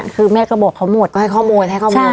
คุณแม่ก็บอกให้เขาโมน